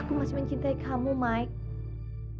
aku masih mencintai kamu mike